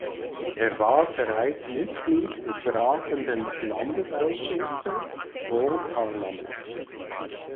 Er war bereits Mitglied des Beratenden Landesausschusses (Vorparlament).